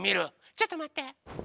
ちょっとまって。